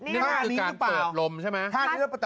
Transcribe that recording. นี่ค่ะนี่คือการกรอบลมใช่ไหม